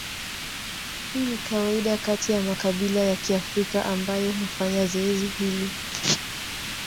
Hii ni kawaida kati ya makabila ya Kiafrika ambayo hufanya zoezi hili.